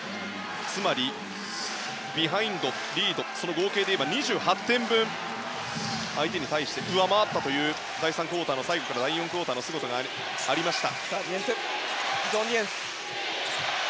つまりビハインド、リードその合計でいえば２８点分、相手に対して上回ったという第３クオーターの最後から第４クオーターまでありました。